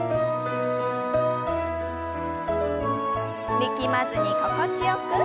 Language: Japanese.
力まずに心地よく。